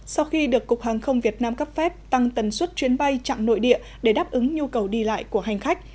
sau khi được cục hàng không việt nam cấp phép tăng tần suất chuyến bay chặng nội địa để đáp ứng nhu cầu đi lại của hành khách